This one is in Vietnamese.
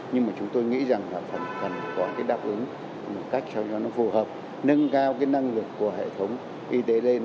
nhưng mà chúng tôi nghĩ rằng là vẫn cần có cái đáp ứng một cách sao cho nó phù hợp nâng cao cái năng lực của hệ thống y tế lên